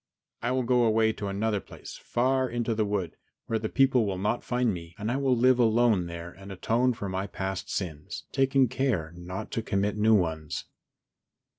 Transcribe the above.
I will go away to another place far into the wood, where the people will not find me, and I will live alone there and atone for my past sins, taking care not to commit new ones."